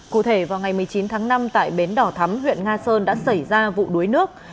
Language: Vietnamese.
cụ thể vào ngày một mươi chín tháng năm tại bến đỏ thắm huyện nga sơn đã xảy ra vụ đuối nước